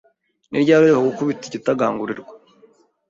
Ni ryari uheruka gukubita igitagangurirwa?